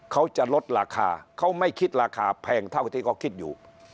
เขาจะลดราคาเขาไม่คิดราคาแพงเท่าที่เขาคิดอยู่